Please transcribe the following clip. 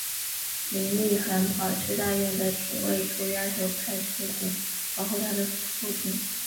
林立衡跑去大院的警卫处要求派士兵保护她的父亲。